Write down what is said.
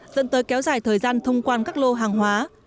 dẫn tới kéo dài thời gian thông quan các lô hàng hóa